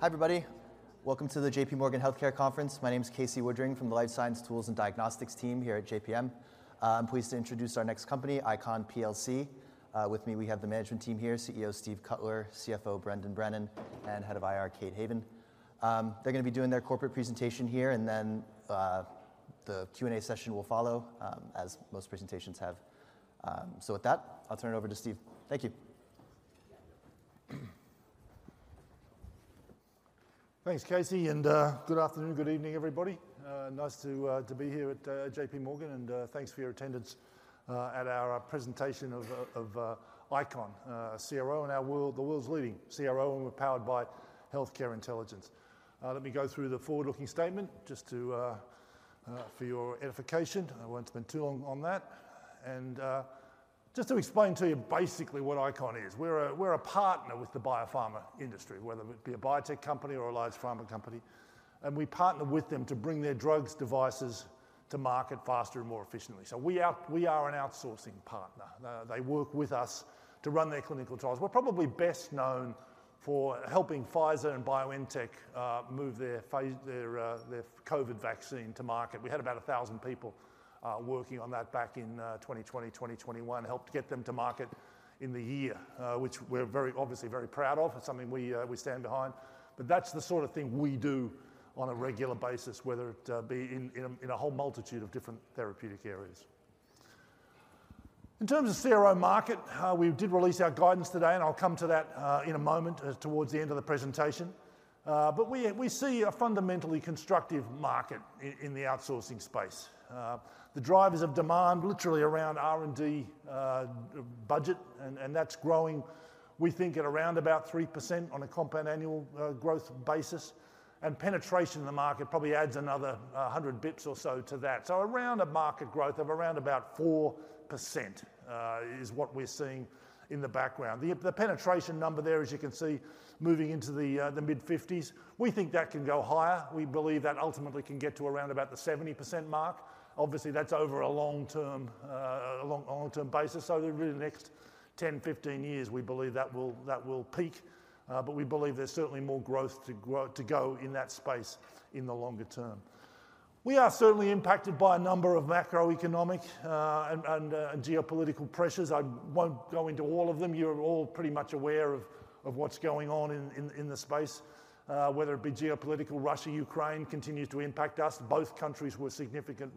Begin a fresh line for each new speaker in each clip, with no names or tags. Hi, everybody. Welcome to the JPMorgan Healthcare Conference. My name is Casey Woodring from the Life Science Tools and Diagnostics team here at JPM. I'm pleased to introduce our next company, ICON plc. With me, we have the management team here: CEO Steve Cutler, CFO Brendan Brennan, and Head of IR, Kate Haven. They're gonna be doing their corporate presentation here, and then, the Q&A session will follow, as most presentations have. So with that, I'll turn it over to Steve. Thank you.
Thanks, Casey, and good afternoon. Good evening, everybody. Nice to be here at JPMorgan, and thanks for your attendance at our presentation of ICON CRO and our world, the world's leading CRO, and we're powered by healthcare intelligence. Let me go through the forward-looking statement just to for your edification. I won't spend too long on that. Just to explain to you basically what ICON is, we're a partner with the biopharma industry, whether it be a biotech company or a large pharma company, and we partner with them to bring their drugs, devices to market faster and more efficiently. So we are an outsourcing partner. They work with us to run their clinical trials. We're probably best known for helping Pfizer and BioNTech move their phase, their COVID vaccine to market. We had about 1,000 people working on that back in 2020, 2021. Helped get them to market in the year, which we're very, obviously very proud of. It's something we stand behind, but that's the sort of thing we do on a regular basis, whether it be in a whole multitude of different therapeutic areas. In terms of CRO market, we did release our guidance today, and I'll come to that in a moment towards the end of the presentation. But we see a fundamentally constructive market in the outsourcing space. The drivers of demand literally around R&D, budget, and that's growing, we think at around about 3% on a compound annual, growth basis, and penetration in the market probably adds another, hundred basis points or so to that. So around a market growth of around about 4%, is what we're seeing in the background. The, the penetration number there, as you can see, moving into the, the mid-fifties, we think that can go higher. We believe that ultimately can get to around about the 70% mark. Obviously, that's over a long term, a long, long-term basis. So the really next 10, 15 years, we believe that will, that will peak, but we believe there's certainly more growth to grow, to go in that space in the longer term. We are certainly impacted by a number of macroeconomic and geopolitical pressures. I won't go into all of them. You're all pretty much aware of what's going on in the space, whether it be geopolitical. Russia, Ukraine continues to impact us. Both countries were significant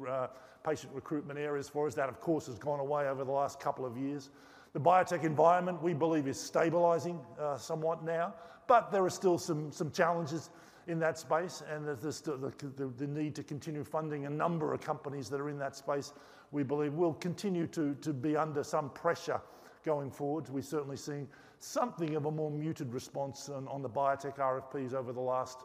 patient recruitment areas for us. That, of course, has gone away over the last couple of years. The biotech environment, we believe, is stabilizing somewhat now, but there are still some challenges in that space, and there's still the need to continue funding a number of companies that are in that space, we believe will continue to be under some pressure going forward. We're certainly seeing something of a more muted response on the biotech RFPs over the last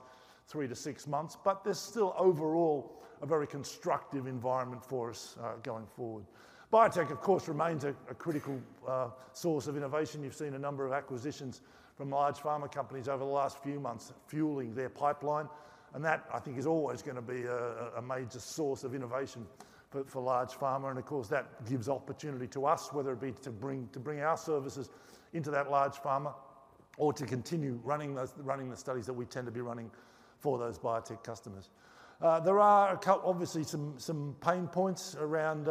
three to six months, but there's still overall a very constructive environment for us, going forward. Biotech, of course, remains a critical source of innovation. You've seen a number of acquisitions from large pharma companies over the last few months, fueling their pipeline, and that, I think, is always gonna be a major source of innovation for large pharma. And of course, that gives opportunity to us, whether it be to bring our services into that large pharma or to continue running the studies that we tend to be running for those biotech customers. There are a couple, obviously some pain points around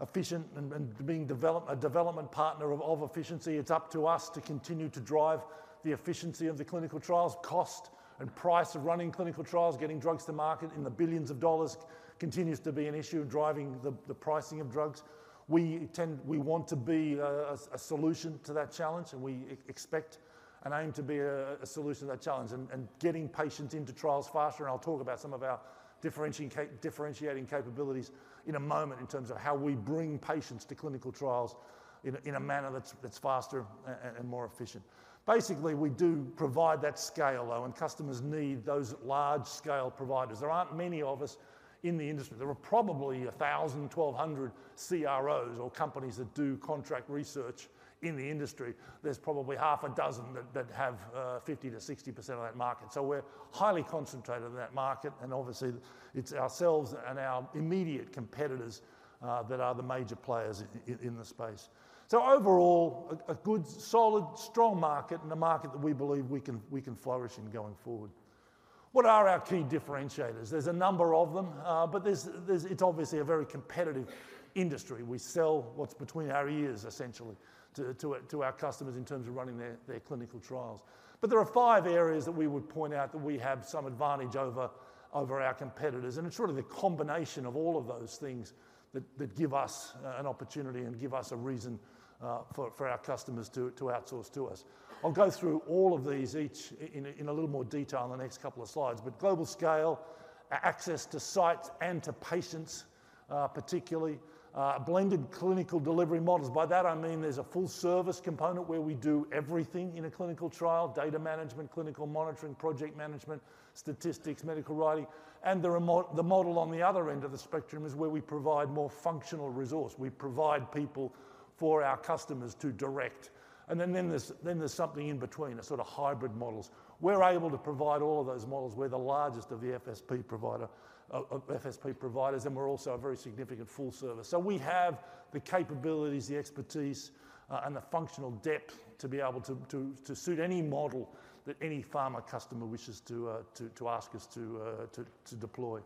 efficient and being developed, a development partner of efficiency. It's up to us to continue to drive the efficiency of the clinical trials. Cost and price of running clinical trials, getting drugs to market in the billions of dollars continues to be an issue, driving the pricing of drugs. We want to be a solution to that challenge, and we expect and aim to be a solution to that challenge and getting patients into trials faster, and I'll talk about some of our differentiating capabilities in a moment in terms of how we bring patients to clinical trials in a manner that's faster and more efficient. Basically, we do provide that scale, though, and customers need those large-scale providers. There aren't many of us in the industry. There are probably 1,000-1,200 CROs or companies that do contract research in the industry. There's probably half a dozen that have 50%-60% of that market. So we're highly concentrated in that market, and obviously, it's ourselves and our immediate competitors that are the major players in the space. So overall, a good, solid, strong market and a market that we believe we can flourish in going forward. What are our key differentiators? There's a number of them, but there's. It's obviously a very competitive industry. We sell what's between our ears, essentially, to our customers in terms of running their clinical trials. There are five areas that we would point out that we have some advantage over our competitors, and it's really the combination of all of those things that give us an opportunity and give us a reason for our customers to outsource to us. I'll go through all of these, each in a little more detail in the next couple of slides, but global scale, access to sites and to patients, particularly, blended clinical delivery models. By that I mean there's a full-service component where we do everything in a clinical trial: data management, clinical monitoring, project management, statistics, medical writing. The model on the other end of the spectrum is where we provide more functional resource. We provide people for our customers to direct. And then there's something in between, a sort of hybrid models. We're able to provide all of those models. We're the largest of the FSP providers, and we're also a very significant full service. So we have the capabilities, the expertise, and the functional depth to be able to suit any model that any pharma customer wishes to ask us to deploy.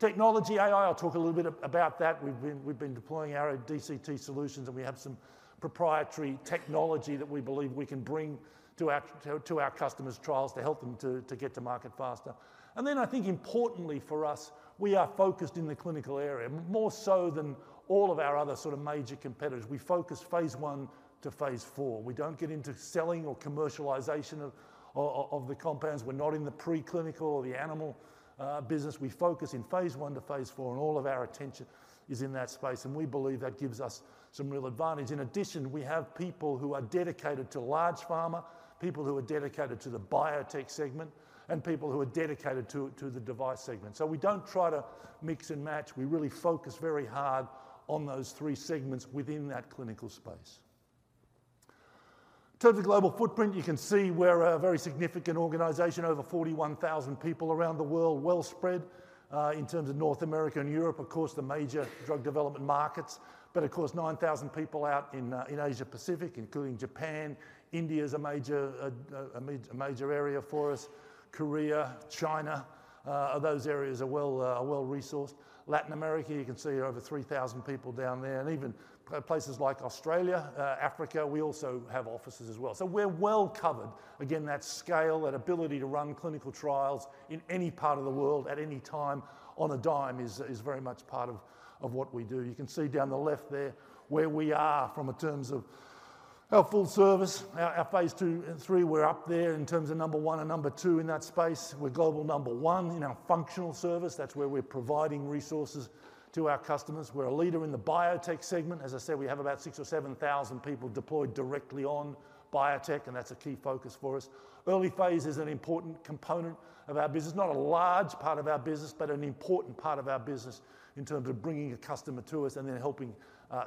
Technology, AI, I'll talk a little bit about that. We've been deploying our DCT solutions, and we have some proprietary technology that we believe we can bring to our customers' trials to help them to get to market faster. And then I think importantly for us, we are focused in the clinical area, more so than all of our other sort of major competitors. We focus Phase I to Phase IV. We don't get into selling or commercialization of, of, the compounds. We're not in the preclinical or the animal business. We focus in Phase I to Phase IV, and all of our attention is in that space, and we believe that gives us some real advantage. In addition, we have people who are dedicated to large pharma, people who are dedicated to the biotech segment, and people who are dedicated to, to the device segment. So we don't try to mix and match. We really focus very hard on those three segments within that clinical space. In terms of global footprint, you can see we're a very significant organization, over 41,000 people around the world, well spread in terms of North America and Europe, of course, the major drug development markets. But of course, 9,000 people out in Asia Pacific, including Japan. India is a major area for us. Korea, China, those areas are well-resourced. Latin America, you can see over 3,000 people down there, and even places like Australia, Africa, we also have offices as well. So we're well-covered. Again, that scale, that ability to run clinical trials in any part of the world at any time on a dime is very much part of what we do. You can see down the left there, where we are from in terms of our full service, our phase II and III, we're up there in terms of number one and number two in that space. We're global number one in our functional service. That's where we're providing resources to our customers. We're a leader in the biotech segment. As I said, we have about 6000 or 7000 people deployed directly on biotech, and that's a key focus for us. Early phase is an important component of our business. Not a large part of our business, but an important part of our business in terms of bringing a customer to us and then helping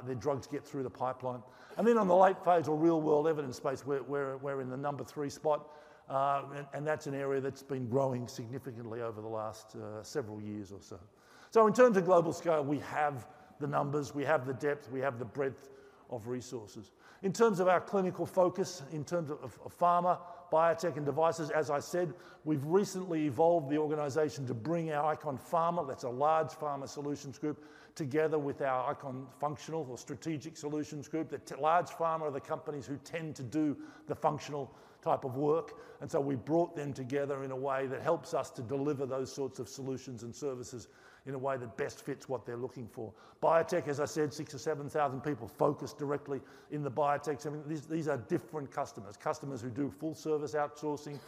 their drugs get through the pipeline. And then on the late phase or real-world evidence phase, we're in the number three spot, and that's an area that's been growing significantly over the last several years or so. So in terms of global scale, we have the numbers, we have the depth, we have the breadth of resources. In terms of our clinical focus, in terms of pharma, biotech, and devices, as I said, we've recently evolved the organization to bring our ICON Pharma, that's a large pharma solutions group, together with our ICON Functional or Strategic Solutions Group. The large pharma are the companies who tend to do the functional type of work, and so we brought them together in a way that helps us to deliver those sorts of solutions and services in a way that best fits what they're looking for. Biotech, as I said, 6,000 or 7,000 people focused directly in the biotech segment. These, these are different customers, customers who do full-service outsourcing,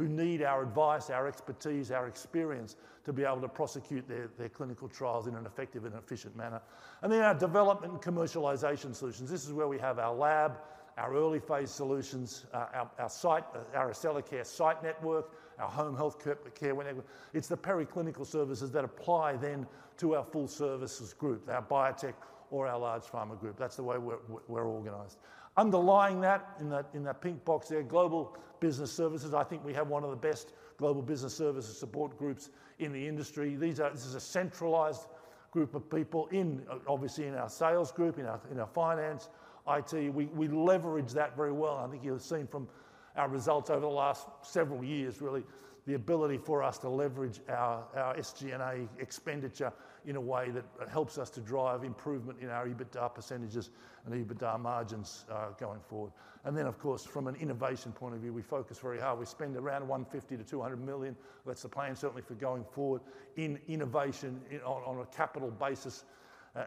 who need our advice, our expertise, our experience to be able to prosecute their, their clinical trials in an effective and efficient manner. And then our development and commercialization solutions. This is where we have our lab, our early-phase solutions, our site, our Accellacare site network, our home health care network. It's the pre-clinical services that apply then to our full services group, our biotech or our large pharma group. That's the way we're organized. Underlying that, in that pink box there, global business services. I think we have one of the best global business services support groups in the industry. This is a centralized group of people in, obviously, our sales group, in our finance, IT. We leverage that very well. I think you've seen from our results over the last several years, really, the ability for us to leverage our SG&A expenditure in a way that helps us to drive improvement in our EBITDA percentages and EBITDA margins, going forward. And then, of course, from an innovation point of view, we focus very hard. We spend around $150 million-$200 million. That's the plan, certainly for going forward in innovation on a capital basis,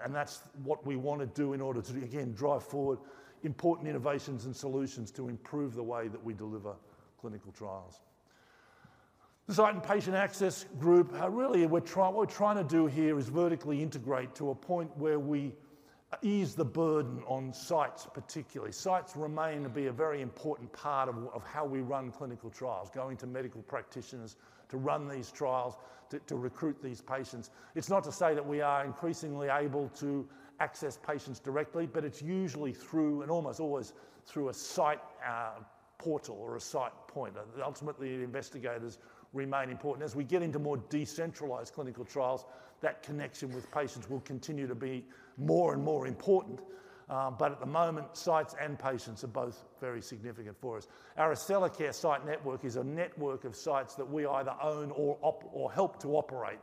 and that's what we want to do in order to, again, drive forward important innovations and solutions to improve the way that we deliver clinical trials. The site and patient access group, really, what we're trying to do here is vertically integrate to a point where we ease the burden on sites, particularly. Sites remain to be a very important part of how we run clinical trials, going to medical practitioners to run these trials, to recruit these patients. It's not to say that we are increasingly able to access patients directly, but it's usually through and almost always through a site portal or a site point. Ultimately, the investigators remain important. As we get into more decentralized clinical trials, that connection with patients will continue to be more and more important, but at the moment, sites and patients are both very significant for us. Our Accellacare site network is a network of sites that we either own or help to operate,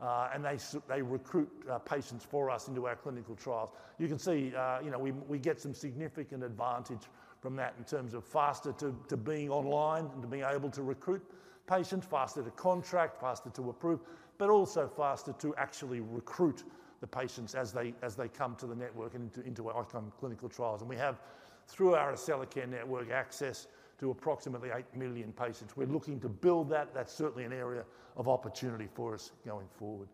and they recruit patients for us into our clinical trials. You can see, you know, we get some significant advantage from that in terms of faster to being online and to being able to recruit patients, faster to contract, faster to approve, but also faster to actually recruit the patients as they come to the network and into our ICON clinical trials. And we have, through our Accellacare network, access to approximately 8 million patients. We're looking to build that. That's certainly an area of opportunity for us going forward.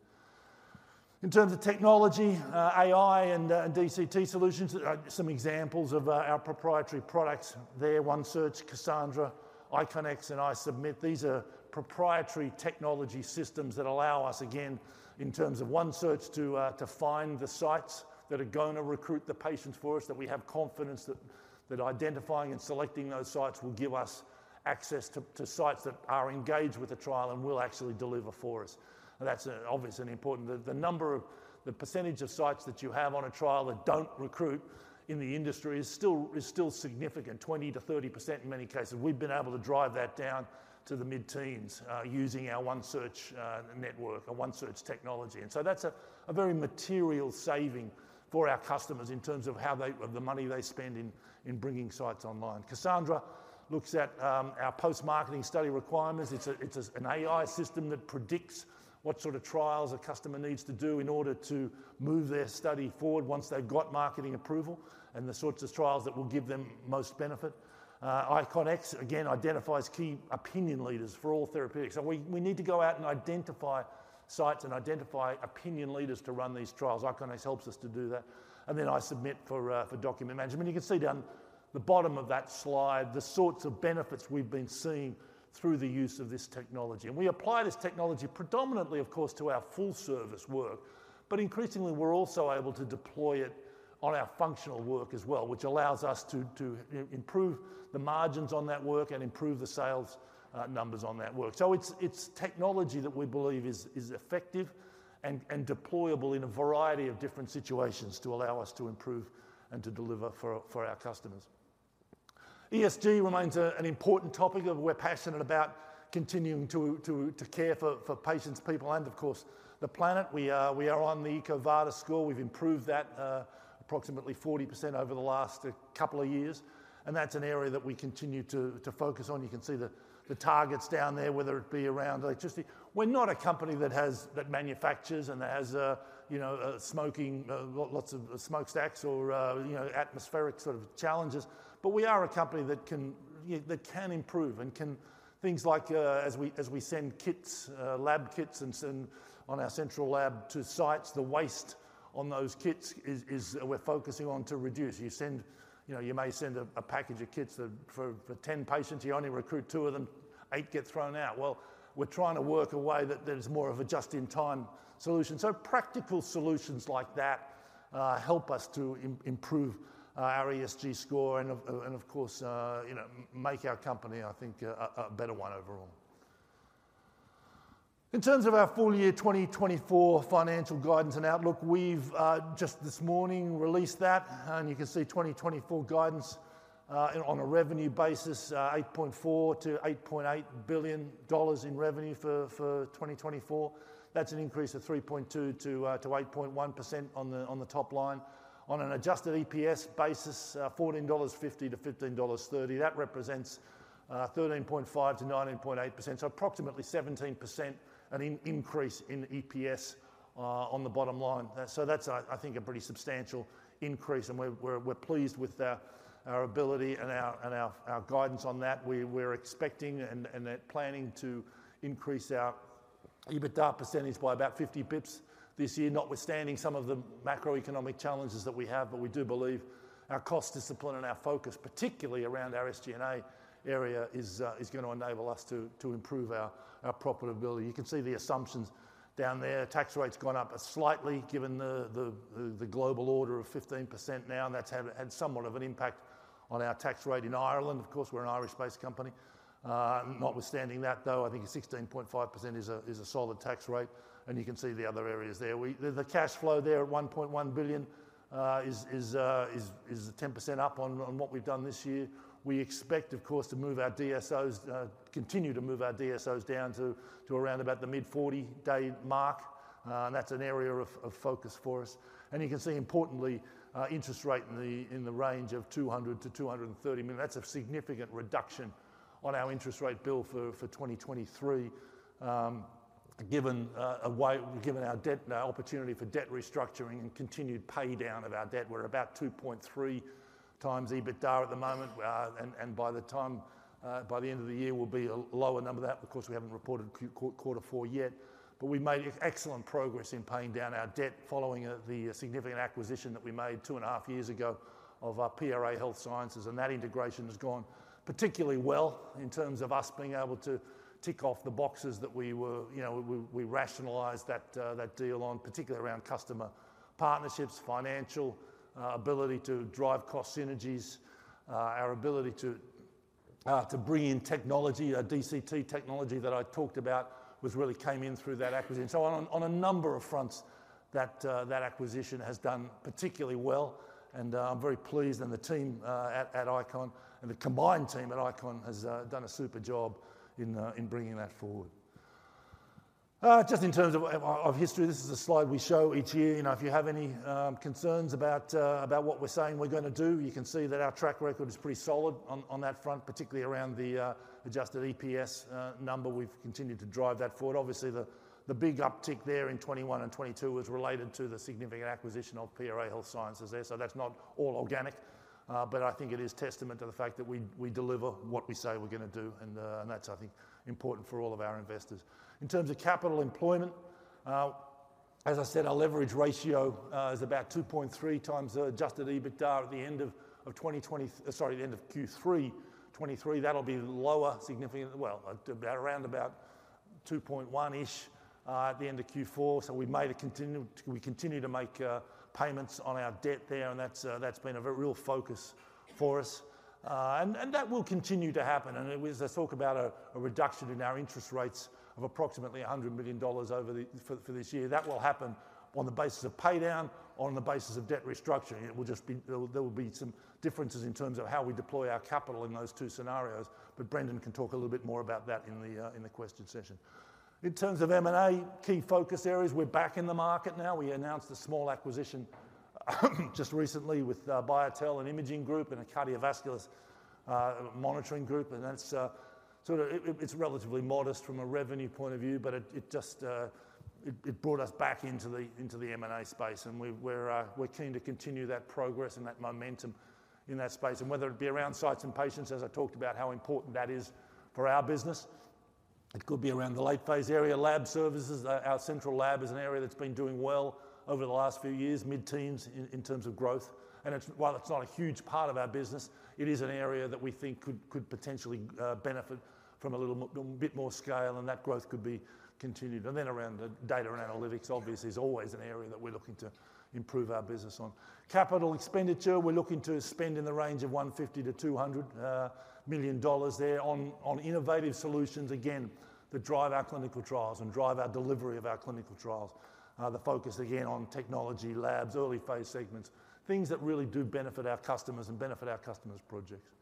In terms of technology, AI and DCT solutions, some examples of our proprietary products there, OneSearch, Cassandra, ICONIK, and iSubmit. These are proprietary technology systems that allow us, again, in terms of OneSearch, to find the sites that are going to recruit the patients for us, that we have confidence that identifying and selecting those sites will give us access to sites that are engaged with the trial and will actually deliver for us. And that's obviously an important. The percentage of sites that you have on a trial that don't recruit in the industry is still significant, 20%-30% in many cases. We've been able to drive that down to the mid-teens using our OneSearch network, our OneSearch technology, and so that's a very material saving for our customers in terms of how they the money they spend in bringing sites online. Cassandra looks at our post-marketing study requirements. It's an AI system that predicts what sort of trials a customer needs to do in order to move their study forward once they've got marketing approval, and the sorts of trials that will give them most benefit. ICONIK, again, identifies key opinion leaders for all therapeutics. So we need to go out and identify sites and identify opinion leaders to run these trials. ICONIK helps us to do that. And then iSubmit for document management. You can see down the bottom of that slide, the sorts of benefits we've been seeing through the use of this technology. And we apply this technology predominantly, of course, to our full-service work, but increasingly, we're also able to deploy it on our functional work as well, which allows us to improve the margins on that work and improve the sales numbers on that work. So it's technology that we believe is effective and deployable in a variety of different situations to allow us to improve and to deliver for our customers. ESG remains an important topic, and we're passionate about continuing to care for patients, people, and of course, the planet. We are on the EcoVadis score. We've improved that approximately 40% over the last couple of years, and that's an area that we continue to focus on. You can see the targets down there, whether it be around electricity. We're not a company that has that manufactures and that has a, you know, a smoking lot, lots of smoke stacks or, you know, atmospheric sort of challenges, but we are a company that can, yeah, that can improve and can. Things like, as we send kits, lab kits and send on our central lab to sites, the waste on those kits is what we're focusing on to reduce. You send, you know, you may send a package of kits for 10 patients, you only recruit two of them, eight get thrown out. Well, we're trying to work a way that there's more of a just-in-time solution. So practical solutions like that help us to improve our ESG score and, of course, you know, make our company, I think, a better one overall. In terms of our full year 2024 financial guidance and outlook, we've just this morning released that, and you can see 2024 guidance on a revenue basis, $8.4 billion-$8.8 billion in revenue for 2024. That's an increase of 3.2%-8.1% on the top line. On an adjusted EPS basis, $14.50-$15.30. That represents 13.5%-19.8%, so approximately 17% an increase in EPS on the bottom line. So that's, I think, a pretty substantial increase, and we're pleased with our ability and our guidance on that. We're expecting and planning to increase our EBITDA percentage by about 50 basis points this year, notwithstanding some of the macroeconomic challenges that we have. But we do believe our cost discipline and our focus, particularly around our SG&A area, is going to enable us to improve our profitability. You can see the assumptions down there. Tax rate's gone up slightly given the global rate of 15% now, and that's had somewhat of an impact on our tax rate in Ireland. Of course, we're an Irish-based company. Notwithstanding that, though, I think 16.5% is a solid tax rate, and you can see the other areas there. The cash flow there at $1.1 billion is 10% up on what we've done this year. We expect, of course, to move our DSOs, continue to move our DSOs down to around about the mid-40-day mark, and that's an area of focus for us. You can see, importantly, interest rate in the range of $200 million-$230 million. That's a significant reduction on our interest rate bill for 2023, given our debt, our opportunity for debt restructuring and continued pay down of our debt. We're about 2.3x EBITDA at the moment, and by the time, by the end of the year, will be a lower number than that. Of course, we haven't reported Q4 yet, but we made excellent progress in paying down our debt following the significant acquisition that we made two and a half years ago of PRA Health Sciences, and that integration has gone particularly well in terms of us being able to tick off the boxes that we were, you know, we rationalized that deal on, particularly around customer partnerships, financial ability to drive cost synergies, our ability to bring in technology. Our DCT technology that I talked about was really came in through that acquisition. So on a number of fronts, that acquisition has done particularly well, and I'm very pleased, and the team at ICON and the combined team at ICON has done a super job in bringing that forward. Just in terms of history, this is a slide we show each year. You know, if you have any concerns about what we're saying we're gonna do, you can see that our track record is pretty solid on that front, particularly around the adjusted EPS number. We've continued to drive that forward. Obviously, the big uptick there in 2021 and 2022 was related to the significant acquisition of PRA Health Sciences there. So that's not all organic, but I think it is testament to the fact that we deliver what we say we're gonna do, and that's, I think, important for all of our investors. In terms of capital employment, as I said, our leverage ratio is about 2.3x the adjusted EBITDA at the end of 2020... Sorry, the end of Q3 2023. That'll be lower, significantly—well, at around about 2.1-ish, at the end of Q4. So we continue to make payments on our debt there, and that's been a real focus for us. And that will continue to happen, and there's talk about a reduction in our interest rates of approximately $100 million for this year. That will happen on the basis of pay down, on the basis of debt restructuring. It will just be, there will be some differences in terms of how we deploy our capital in those two scenarios, but Brendan can talk a little bit more about that in the question session. In terms of M&A key focus areas, we're back in the market now. We announced a small acquisition, just recently with BioTel, an imaging group and a cardiovascular monitoring group, and that's sort of... It's relatively modest from a revenue point of view, but it just brought us back into the M&A space, and we're keen to continue that progress and that momentum in that space, and whether it be around sites and patients, as I talked about how important that is for our business. It could be around the late phase area, lab services. Our central lab is an area that's been doing well over the last few years, mid-teens in terms of growth, and it's while it's not a huge part of our business, it is an area that we think could potentially benefit from a little bit more scale, and that growth could be continued. And then around the data and analytics, obviously, is always an area that we're looking to improve our business on. Capital expenditure, we're looking to spend in the range of $150 million-$200 million there on innovative solutions, again, that drive our clinical trials and drive our delivery of our clinical trials. The focus again on technology, labs, early phase segments, things that really do benefit our customers and benefit our customers' projects.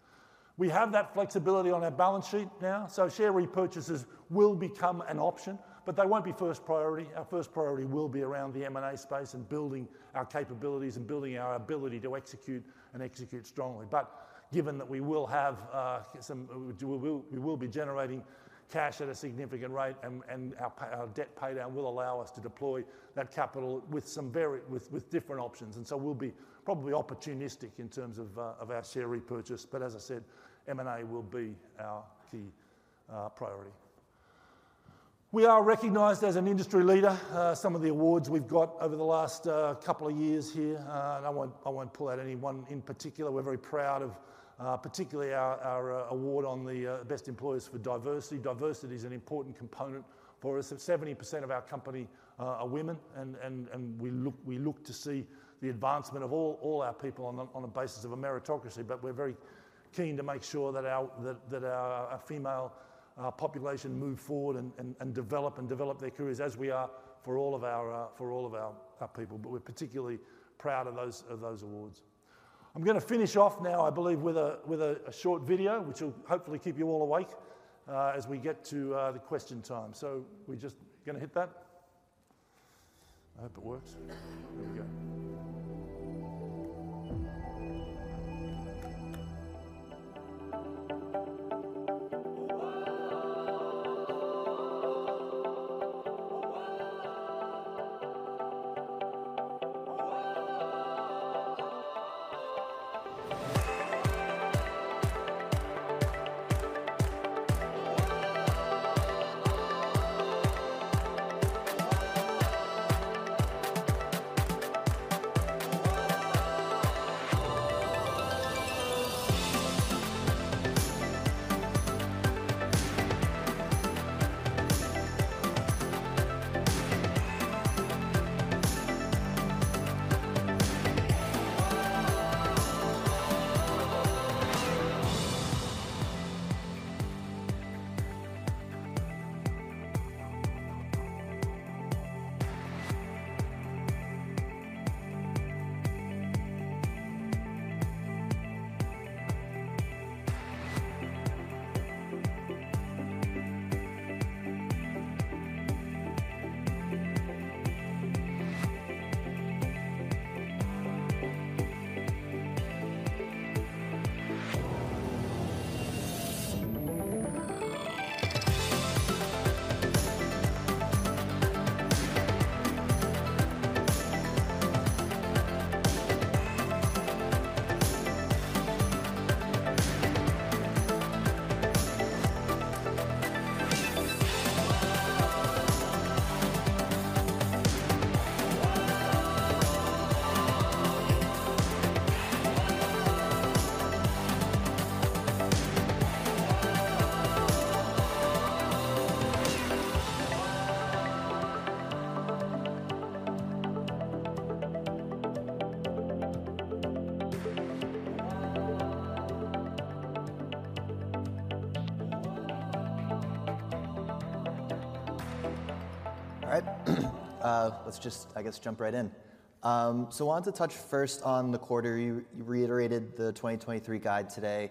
We have that flexibility on our balance sheet now, so share repurchases will become an option, but they won't be first priority. Our first priority will be around the M&A space and building our capabilities and building our ability to execute and execute strongly. But given that we will have some, we will be generating cash at a significant rate, and our pay-- our debt payday will allow us to deploy that capital with some very, with different options. And so we'll be probably opportunistic in terms of of our share repurchase. But as I said, M&A will be our key priority. We are recognized as an industry leader. Some of the awards we've got over the last couple of years here, and I won't pull out any one in particular. We're very proud of, particularly our award on the best employers for diversity. Diversity is an important component for us. 70% of our company are women, and we look to see the advancement of all our people on a basis of a meritocracy. But we're very keen to make sure that our female population move forward and develop their careers as we are for all of our people. But we're particularly proud of those awards. I'm gonna finish off now, I believe, with a short video, which will hopefully keep you all awake, as we get to the question time. So we're just gonna hit that. I hope it works. Here we go.
All right. Let's just, I guess, jump right in. So I wanted to touch first on the quarter. You, you reiterated the 2023 guide today,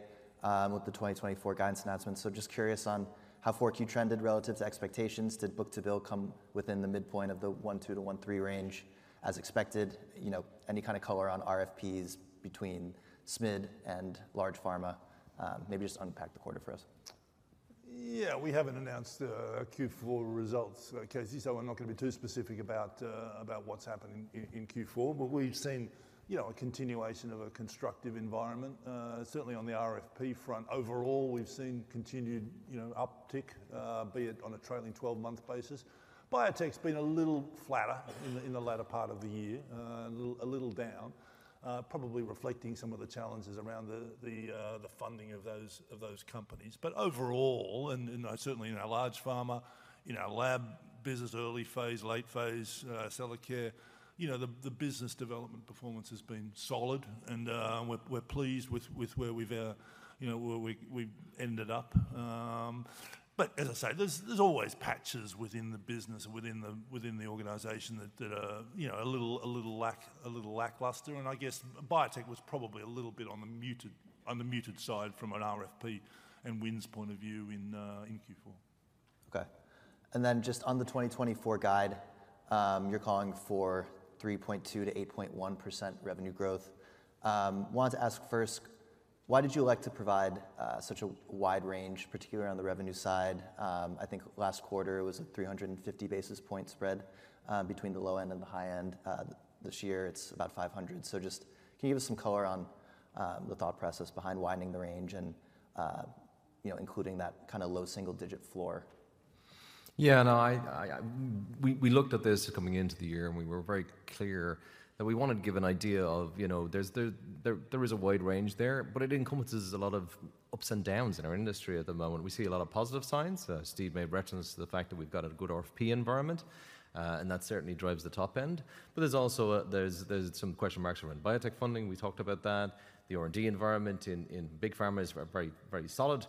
with the 2024 guidance announcement. So just curious on how Q4 trended relative to expectations. Did book-to-bill come within the midpoint of the 1.2-1.3 range as expected? You know, any kind of color on RFPs between SMID and large pharma? Maybe just unpack the quarter for us.
Yeah, we haven't announced the Q4 results, Casey, so I'm not going to be too specific about about what's happening in Q4. But we've seen, you know, a continuation of a constructive environment, certainly on the RFP front. Overall, we've seen continued, you know, uptick, be it on a trailing 12-month basis. Biotech's been a little flatter in the latter part of the year, a little, a little down, probably reflecting some of the challenges around the funding of those companies. But overall, and certainly in our large pharma, in our lab business, early phase, late phase, Accellacare, you know, the business development performance has been solid and, we're pleased with where we've, you know, where we've ended up. But as I say, there's always patches within the business and within the organization that are, you know, a little lackluster. And I guess biotech was probably a little bit on the muted side from an RFP and wins point of view in Q4.
Okay. And then just on the 2024 guide, you're calling for 3.2%-8.1% revenue growth. Wanted to ask first, why did you elect to provide such a wide range, particularly on the revenue side? I think last quarter it was a 350 basis point spread between the low end and the high end. This year it's about 500. So just can you give us some color on the thought process behind widening the range and, you know, including that kind of low single-digit floor?
Yeah, no, we looked at this coming into the year, and we were very clear that we wanted to give an idea of, you know, there is a wide range there, but it encompasses a lot of ups and downs in our industry at the moment. We see a lot of positive signs. Steve made reference to the fact that we've got a good RFP environment, and that certainly drives the top end. But there's also some question marks around biotech funding. We talked about that. The R&D environment in big pharma is very, very, very solid,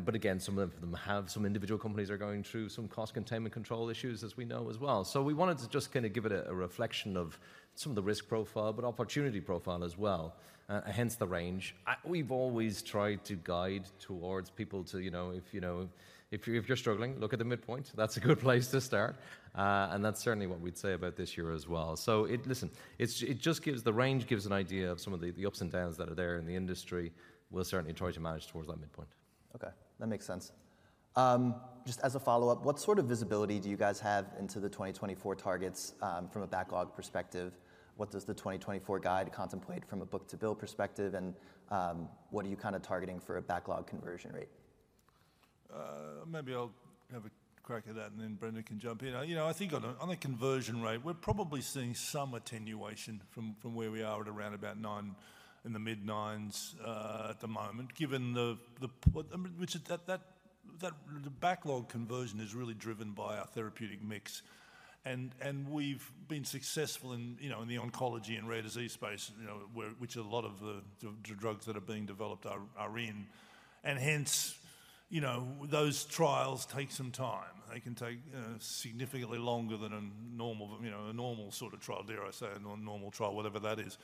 but again, some of them have some individual companies are going through some cost containment control issues, as we know as well. So we wanted to just kinda give it a reflection of some of the risk profile, but opportunity profile as well, hence the range. We've always tried to guide towards people to, you know, if you're struggling, look at the midpoint. That's a good place to start. That's certainly what we'd say about this year as well. So it just gives, the range gives an idea of some of the ups and downs that are there in the industry. We'll certainly try to manage towards that midpoint. ...
Okay, that makes sense. Just as a follow-up, what sort of visibility do you guys have into the 2024 targets, from a backlog perspective? What does the 2024 guide contemplate from a book-to-bill perspective? And, what are you kind of targeting for a backlog conversion rate?
Maybe I'll have a crack at that, and then Brendan can jump in. You know, I think on a conversion rate, we're probably seeing some attenuation from where we are at around 90, in the mid-90s, at the moment, given that the backlog conversion is really driven by our therapeutic mix. And we've been successful in, you know, in the oncology and rare disease space, you know, where, which a lot of the drugs that are being developed are in. And hence, you know, those trials take some time. They can take significantly longer than a normal, you know, a normal sort of trial, dare I say, a normal trial, whatever that is.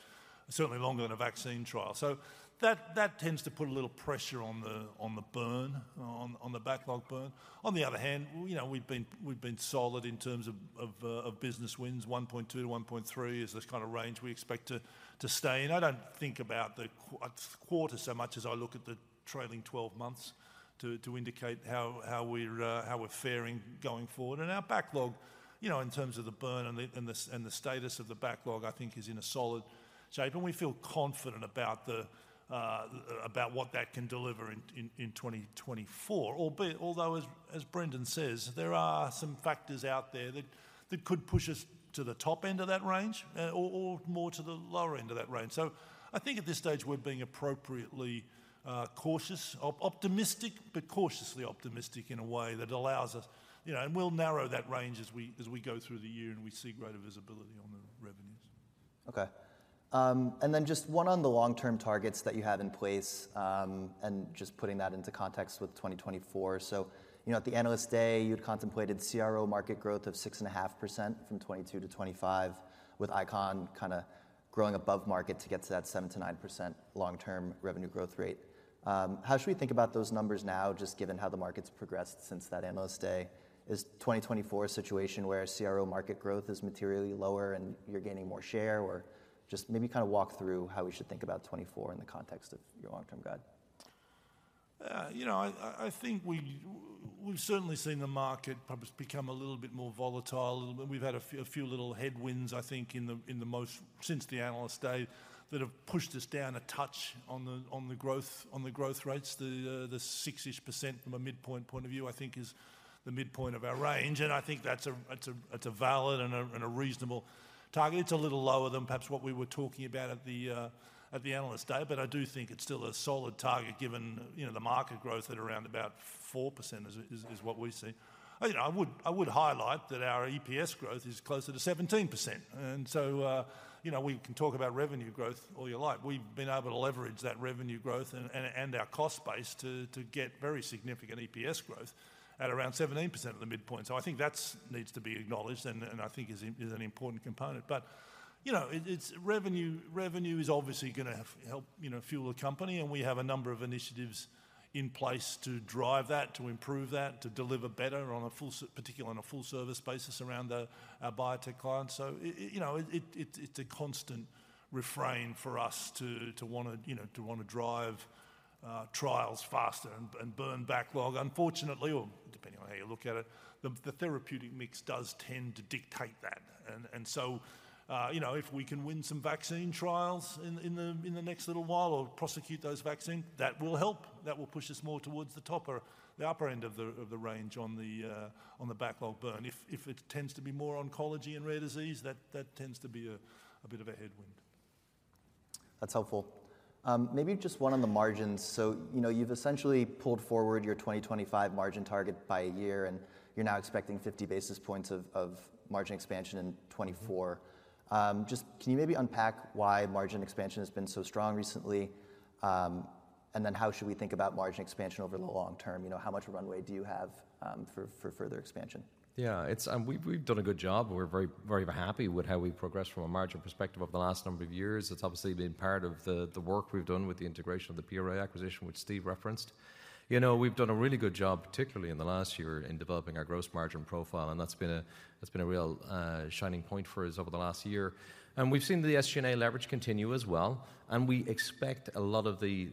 Certainly longer than a vaccine trial. So that, that tends to put a little pressure on the, on the burn, on, on the backlog burn. On the other hand, you know, we've been, we've been solid in terms of, of, of business wins, 1.2-1.3 is the kind of range we expect to, to stay in. I don't think about the quarters so much as I look at the trailing 12 months to, to indicate how, how we're, how we're faring going forward. And our backlog, you know, in terms of the burn and the, and the, and the status of the backlog, I think is in a solid shape, and we feel confident about the, about what that can deliver in, in, in 2024. Although, as Brendan says, there are some factors out there that could push us to the top end of that range, or more to the lower end of that range. So I think at this stage, we're being appropriately cautious. Optimistic, but cautiously optimistic in a way that allows us... You know, and we'll narrow that range as we go through the year and we see greater visibility on the revenues.
Okay. And then just one on the long-term targets that you have in place, and just putting that into context with 2024. So, you know, at the Analyst Day, you'd contemplated CRO market growth of 6.5% from 2022-2025, with ICON kind of growing above market to get to that 7%-9% long-term revenue growth rate. How should we think about those numbers now, just given how the market's progressed since that Analyst Day? Is 2024 a situation where CRO market growth is materially lower and you're gaining more share? Or just maybe kind of walk through how we should think about 2024 in the context of your long-term guide.
You know, I think we've certainly seen the market perhaps become a little bit more volatile. We've had a few little headwinds, I think, since the Analyst Day, that have pushed us down a touch on the growth rates. The six-ish percent from a midpoint point of view, I think, is the midpoint of our range, and I think that's a valid and a reasonable target. It's a little lower than perhaps what we were talking about at the Analyst Day, but I do think it's still a solid target, given, you know, the market growth at around about 4% is what we see. You know, I would highlight that our EPS growth is closer to 17%. And so, you know, we can talk about revenue growth all you like. We've been able to leverage that revenue growth and our cost base to get very significant EPS growth at around 17% at the midpoint. So I think that needs to be acknowledged and I think is an important component. But, you know, it, it's revenue, revenue is obviously gonna help, you know, fuel the company, and we have a number of initiatives in place to drive that, to improve that, to deliver better on a full-service basis around our biotech clients. So you know, it, it's a constant refrain for us to wanna, you know, to wanna drive trials faster and burn backlog. Unfortunately, or depending on how you look at it, the therapeutic mix does tend to dictate that. And so, you know, if we can win some vaccine trials in the next little while or prosecute those vaccine, that will help. That will push us more towards the top or the upper end of the range on the backlog burn. If it tends to be more oncology and rare disease, that tends to be a bit of a headwind.
That's helpful. Maybe just one on the margins. So, you know, you've essentially pulled forward your 2025 margin target by a year, and you're now expecting 50 basis points of margin expansion in 2024. Just can you maybe unpack why margin expansion has been so strong recently? And then how should we think about margin expansion over the long term? You know, how much runway do you have for further expansion?
Yeah, it's, and we've done a good job. We're very, very happy with how we've progressed from a margin perspective over the last number of years. It's obviously been part of the work we've done with the integration of the PRA acquisition, which Steve referenced. You know, we've done a really good job, particularly in the last year, in developing our gross margin profile, and that's been a real shining point for us over the last year. And we've seen the SG&A leverage continue as well, and we expect a lot of the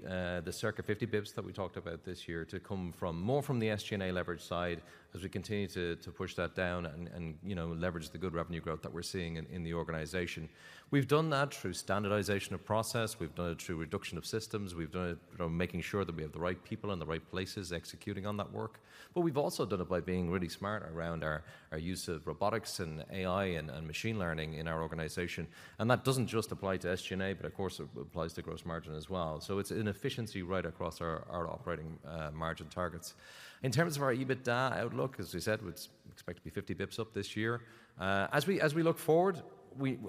circa 50 basis points that we talked about this year to come more from the SG&A leverage side as we continue to push that down and, you know, leverage the good revenue growth that we're seeing in the organization. We've done that through standardization of process, we've done it through reduction of systems, we've done it from making sure that we have the right people in the right places executing on that work. But we've also done it by being really smart around our use of robotics and AI and machine learning in our organization, and that doesn't just apply to SG&A, but of course, it applies to gross margin as well. So it's an efficiency right across our operating margin targets. In terms of our EBITDA outlook, as we said, we expect to be 50 basis points up this year. As we look forward,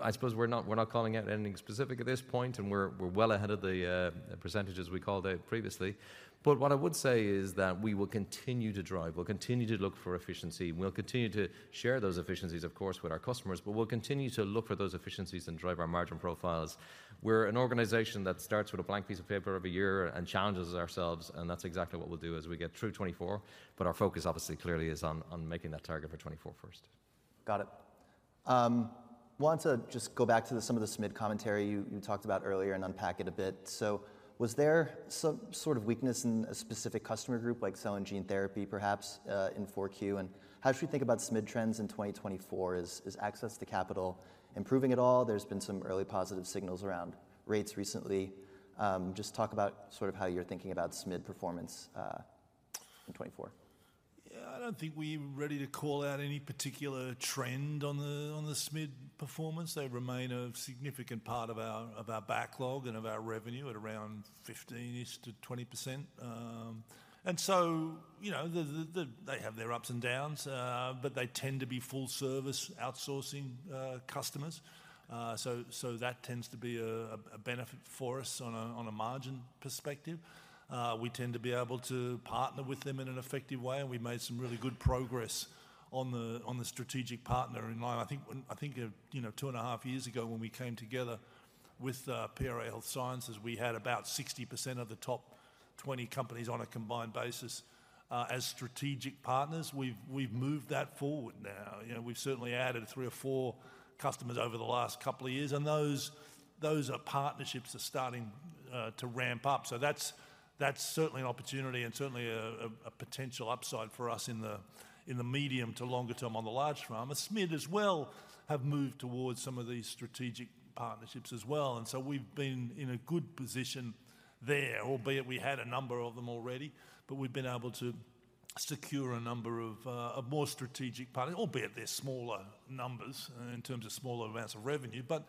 I suppose we're not calling out anything specific at this point, and we're well ahead of the percentages we called out previously. But what I would say is that we will continue to drive, we'll continue to look for efficiency, and we'll continue to share those efficiencies, of course, with our customers, but we'll continue to look for those efficiencies and drive our margin profiles. We're an organization that starts with a blank piece of paper every year and challenges ourselves, and that's exactly what we'll do as we get through 2024. But our focus, obviously, clearly, is on making that target for 2024 first.
Got it. Want to just go back to some of the SMID commentary you talked about earlier and unpack it a bit. So was there some sort of weakness in a specific customer group, like cell and gene therapy, perhaps, in Q4? And how should we think about SMID trends in 2024? Is access to capital improving at all? There's been some early positive signals around rates recently. Just talk about sort of how you're thinking about SMID performance in 2024.
Yeah, I don't think we're ready to call out any particular trend on the SMID performance. They remain a significant part of our backlog and of our revenue at around 15-ish% to 20%. And so, you know, they have their ups and downs, but they tend to be full-service outsourcing customers. So that tends to be a benefit for us on a margin perspective. We tend to be able to partner with them in an effective way, and we've made some really good progress on the strategic partner. I think, you know, two and a half years ago, when we came together with PRA Health Sciences, we had about 60% of the top 20 companies on a combined basis as strategic partners. We've moved that forward now. You know, we've certainly added three or four customers over the last couple of years, and those partnerships are starting to ramp up. So that's certainly an opportunity and certainly a potential upside for us in the medium to longer term on the large pharma. SMID as well have moved towards some of these strategic partnerships as well, and so we've been in a good position there, albeit we had a number of them already, but we've been able to secure a number of more strategic partners, albeit they're smaller numbers in terms of smaller amounts of revenue, but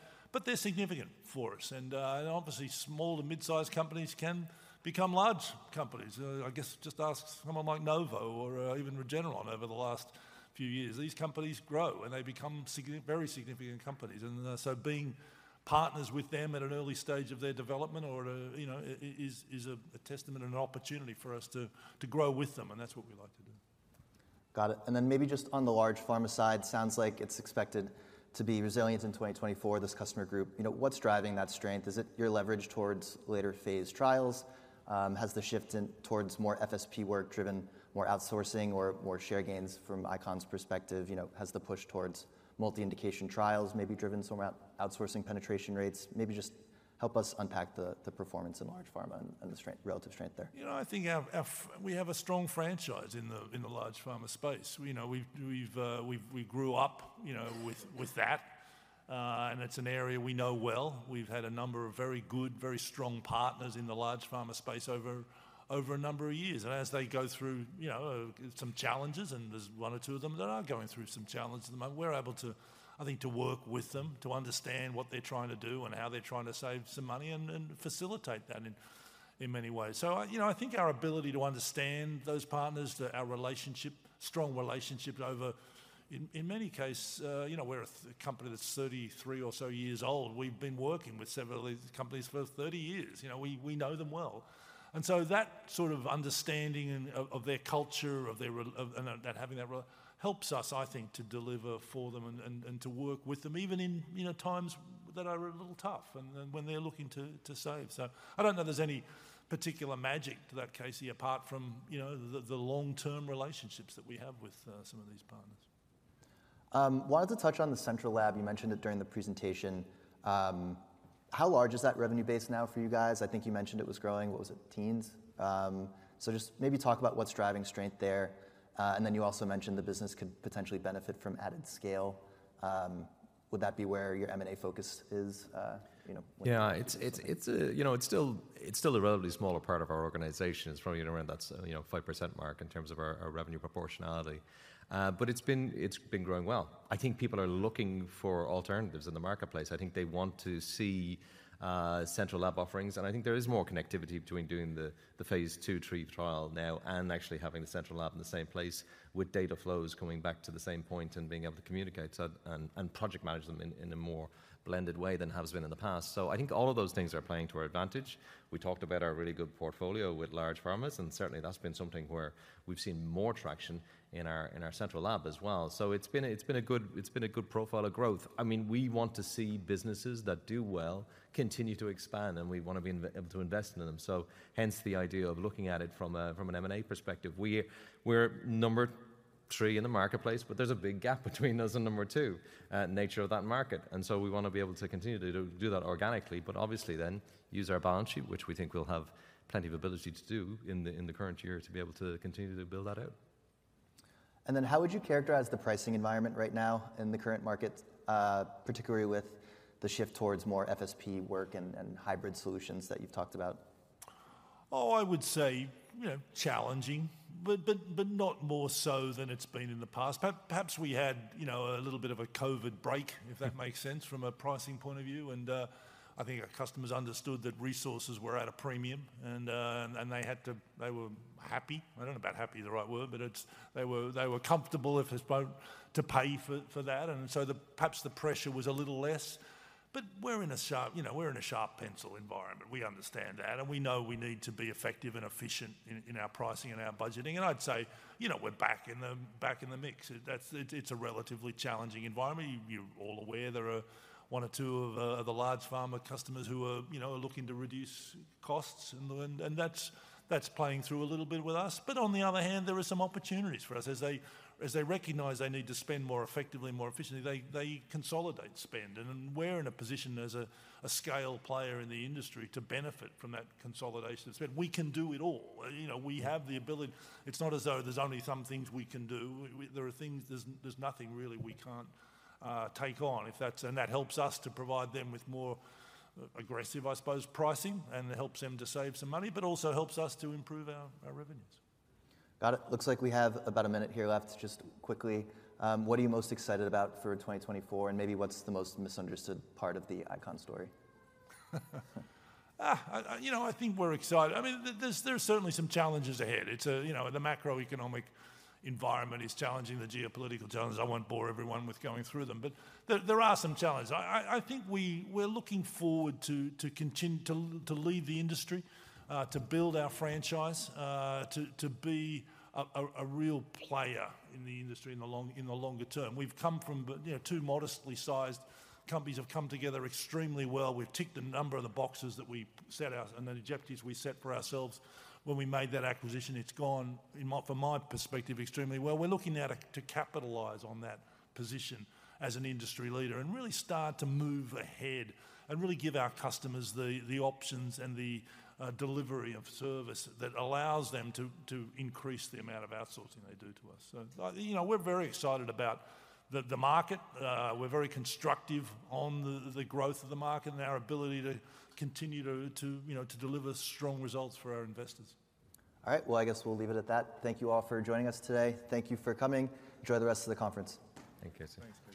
they're significant for us. And obviously, small to mid-sized companies can become large companies. I guess just ask someone like Novo or even Regeneron over the last few years. These companies grow, and they become very significant companies. And, so being partners with them at an early stage of their development or, you know, is a testament and an opportunity for us to grow with them, and that's what we like to do.
Got it. And then maybe just on the large pharma side, sounds like it's expected to be resilient in 2024, this customer group. You know, what's driving that strength? Is it your leverage towards later-phase trials? Has the shift in towards more FSP work driven more outsourcing or more share gains from ICON's perspective? You know, has the push towards multi-indication trials maybe driven some outsourcing penetration rates? Maybe just help us unpack the performance in large pharma and the strength, relative strength there.
You know, I think we have a strong franchise in the large pharma space. You know, we grew up, you know, with that, and it's an area we know well. We've had a number of very good, very strong partners in the large pharma space over a number of years. As they go through, you know, some challenges, and there's one or two of them that are going through some challenges at the moment, we're able to, I think, to work with them, to understand what they're trying to do and how they're trying to save some money and facilitate that in many ways. You know, I think our ability to understand those partners, that our relationship, strong relationship over... In many cases, you know, we're a company that's 33 or so years old. We've been working with several of these companies for 30 years. You know, we know them well. And so that sort of understanding of their culture and relationship helps us, I think, to deliver for them and to work with them, even in, you know, times that are a little tough and then when they're looking to save. So I don't know there's any particular magic to that, Casey, apart from, you know, the long-term relationships that we have with some of these partners.
Wanted to touch on the central lab. You mentioned it during the presentation. How large is that revenue base now for you guys? I think you mentioned it was growing. What was it, teens? So just maybe talk about what's driving strength there. And then you also mentioned the business could potentially benefit from added scale. Would that be where your M&A focus is, you know?
Yeah, you know, it's still a relatively smaller part of our organization. It's probably around that, you know, 5% mark in terms of our revenue proportionality. But it's been growing well. I think people are looking for alternatives in the marketplace. I think they want to see central lab offerings, and I think there is more connectivity between doing the phase II trial now and actually having the central lab in the same place, with data flows coming back to the same point and being able to communicate so, and project manage them in a more blended way than has been in the past. So I think all of those things are playing to our advantage. We talked about our really good portfolio with large pharmas, and certainly that's been something where we've seen more traction in our, in our central lab as well. So it's been a, it's been a good, it's been a good profile of growth. I mean, we want to see businesses that do well continue to expand, and we want to be able to invest in them, so hence the idea of looking at it from a, from an M&A perspective. We're, we're number three in the marketplace, but there's a big gap between us and number two, nature of that market. And so we want to be able to continue to, to do that organically, but obviously then use our balance sheet, which we think we'll have plenty of ability to do in the, in the current year, to be able to continue to build that out.
How would you characterize the pricing environment right now in the current market, particularly with the shift towards more FSP work and, and hybrid solutions that you've talked about?
Oh, I would say, you know, challenging, but not more so than it's been in the past. Perhaps we had, you know, a little bit of a COVID break if that makes sense from a pricing point of view. And I think our customers understood that resources were at a premium, and and they had to, they were happy. I don't know about happy is the right word, but it's, they were, they were comfortable, I suppose, to pay for that, and so the, perhaps the pressure was a little less. But we're in a sharp, you know, we're in a sharp pencil environment. We understand that, and we know we need to be effective and efficient in our pricing and our budgeting. And I'd say, you know, we're back in the mix. It's a relatively challenging environment. You're all aware there are one or two of the large pharma customers who are, you know, looking to reduce costs, and that's playing through a little bit with us. But on the other hand, there are some opportunities for us. As they recognize they need to spend more effectively, more efficiently, they consolidate spend. And then we're in a position as a scale player in the industry to benefit from that consolidation spend. We can do it all. You know, we have the ability. It's not as though there's only some things we can do. We, there are things-- there's nothing really we can't take on if that's... That helps us to provide them with more aggressive, I suppose, pricing, and it helps them to save some money, but also helps us to improve our revenues.
Got it. Looks like we have about a minute here left. Just quickly, what are you most excited about for 2024, and maybe what's the most misunderstood part of the ICON story?
You know, I think we're excited. I mean, there's certainly some challenges ahead. It's you know, the macroeconomic environment is challenging, the geopolitical challenges. I won't bore everyone with going through them, but there are some challenges. I think we're looking forward to continue to lead the industry, to build our franchise, to be a real player in the industry in the longer term. We've come from, you know, two modestly sized companies have come together extremely well. We've ticked a number of the boxes that we set out and the objectives we set for ourselves when we made that acquisition. It's gone, from my perspective, extremely well. We're looking now to capitalize on that position as an industry leader and really start to move ahead and really give our customers the options and the delivery of service that allows them to increase the amount of outsourcing they do to us. So, you know, we're very excited about the market. We're very constructive on the growth of the market and our ability to continue to, you know, to deliver strong results for our investors.
All right. Well, I guess we'll leave it at that. Thank you all for joining us today. Thank you for coming. Enjoy the rest of the conference.
Thank you, sir.
Thanks. Thanks.